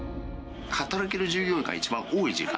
働ける従業員が一番多い時間。